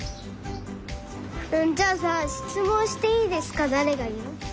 じゃあさ「しつもんしていいですか」だれがいう？